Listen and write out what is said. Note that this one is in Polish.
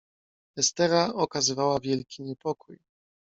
"Estera okazywała wielki niepokój."